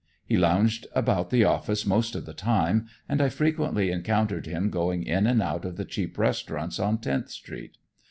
He lounged about the office most of the time, and I frequently encountered him going in and out of the cheap restaurants on Tenth Street.